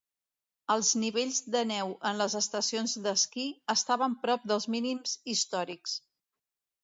Els nivells de neu en les estacions d'esquí estaven prop dels mínims històrics.